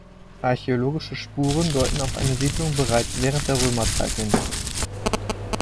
Archäologische Spuren deuten auf eine Siedlung bereits während der Römerzeit hin.